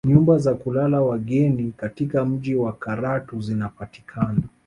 Nyumba za kulala wageni katika mji wa Karatu zinapatikana